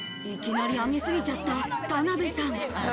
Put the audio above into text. いきなり上げすぎちゃった田辺さん。